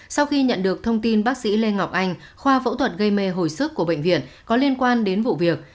sau khi nhận được thông tin bác sĩ lê ngọc anh khoa phẫu thuật gây mê hồi sức của bệnh viện có liên quan đến vụ việc